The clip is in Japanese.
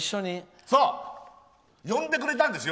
呼んでくれたんですよ。